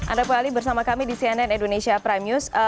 anda kembali bersama kami di cnn indonesia prime news